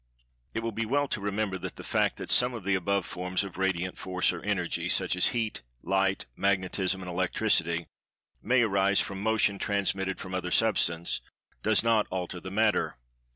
It will be well to remember that the fact that some of the above forms of Radiant Force or Energy, such as Heat, Light, Magnetism and Electricity, may arise from Motion transmitted from other Substance, does not alter the matter.